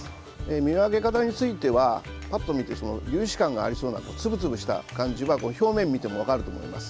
見分け方についてはパッと見て粒子感がありそうなつぶつぶした感じは表面見ても分かると思います。